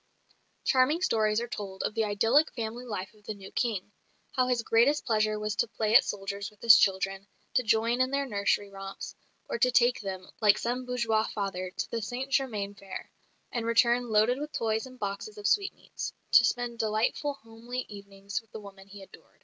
Charming stories are told of the idyllic family life of the new King; how his greatest pleasure was to "play at soldiers" with his children, to join in their nursery romps, or to take them, like some bourgeois father, to the Saint Germain fair, and return loaded with toys and boxes of sweetmeats, to spend delightful homely evenings with the woman he adored.